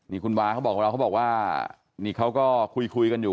นี่คุณวาเขาบอกกับเราเขาบอกว่านี่เขาก็คุยกันอยู่